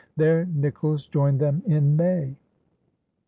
There Nicolls joined them in May.